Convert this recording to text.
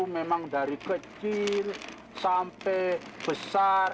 memang dari kecil sampai besar